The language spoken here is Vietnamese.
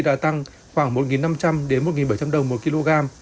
đã tăng khoảng một năm trăm linh một bảy trăm linh đồng một kg